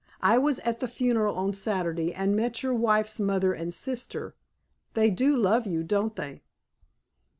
I was at the funeral on Saturday, and met your wife's mother and sister. They do love you, don't they?"